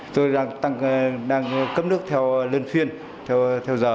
chúng tôi đang cấp nước theo lươn phiên theo giờ